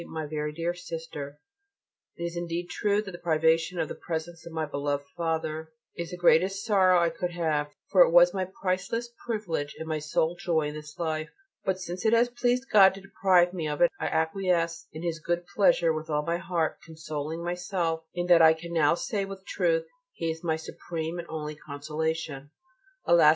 MY VERY DEAR SISTER, It is indeed true that the privation of the presence of my beloved Father is the greatest sorrow I could have: for it was my priceless privilege and my sole joy in this life. But since it has pleased God to deprive me of it I acquiesce in His good pleasure with all my heart, consoling myself in that I can now say with truth: "He is my supreme and only consolation." Alas!